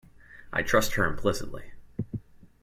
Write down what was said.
I trust her implicitly.